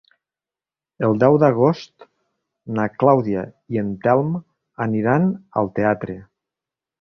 El deu d'agost na Clàudia i en Telm aniran al teatre.